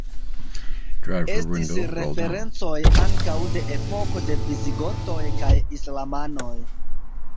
Estis referencoj ankaŭ de epoko de visigotoj kaj islamanoj.